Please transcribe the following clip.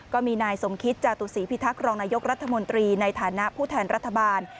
ก็มีนายสมคิตจาตุศีพิทักษ์รองนายกรัฐมนตรีในฐานะผู้แทนรัฐบาล